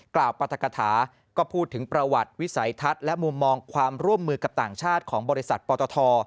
ปรัฐกฐาก็พูดถึงประวัติวิสัยทัศน์และมุมมองความร่วมมือกับต่างชาติของบริษัทปตท